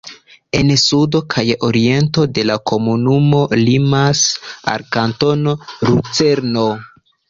En sudo kaj oriento la komunumo limas al Kantono Lucerno.